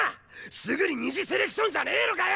すぐに二次セレクションじゃねえのかよ！